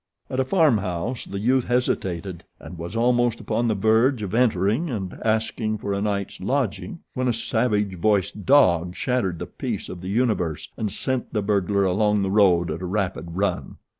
At a farm house the youth hesitated and was almost upon the verge of entering and asking for a night's lodging when a savage voiced dog shattered the peace of the universe and sent the burglar along the road at a rapid run.